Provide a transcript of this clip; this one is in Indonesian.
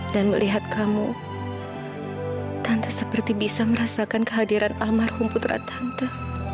dan melihat kamu tante seperti bisa merasakan kehadiran almarhum putra tante